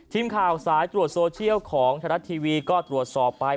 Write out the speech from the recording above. ทีมข่าวสายตรวจโซเชียลของไทยรัฐทีวีก็ตรวจสอบไป